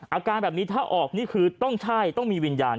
อาการแบบนี้ถ้าออกนี่คือต้องใช่ต้องมีวิญญาณ